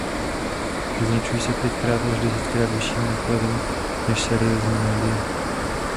Vyznačují se pětkrát až desetkrát vyšším nákladem než seriózní média.